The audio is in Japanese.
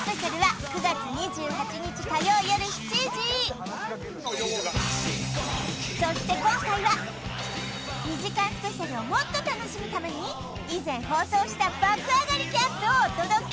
ハハハハハハハハそして今回は２時間スペシャルをもっと楽しむために以前放送した爆上がりキャンプをお届け！